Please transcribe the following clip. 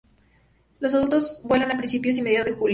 Los adultos vuelan a principios y mediados de julio.